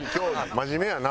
真面目やな。